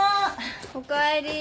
おかえり。